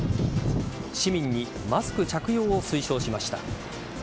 市民にマスク着用を推奨しました。